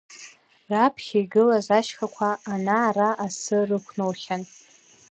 Раԥхьа игылаз ашьхақәа ана-ара асы рықәнаухьан.